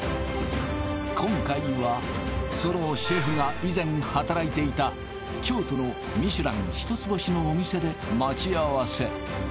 今回はそのシェフが以前働いていた京都のミシュラン一つ星のお店で待ち合わせ